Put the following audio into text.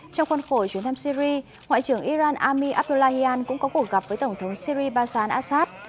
trong khuôn khổi chuyến thăm syri ngoại trưởng iran ami abdullahian cũng có cuộc gặp với tổng thống syri bashar al assad